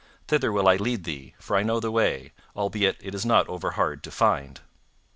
Thither will I lead thee, for I know the way; albeit it is not overhard to find."